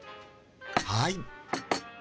はい。